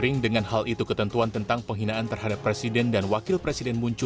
nggak ada perintah dari presiden